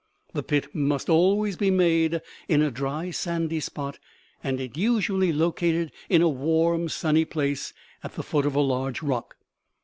The pit must always be made in a dry sandy spot, and is usually located in a warm sunny place at the foot of a large rock.